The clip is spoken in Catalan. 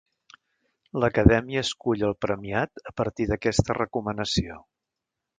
L'Acadèmia escull el premiat a partir d'aquesta recomanació.